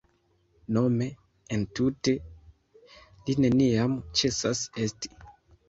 Nome, entute, “Li neniam ĉesas esti”.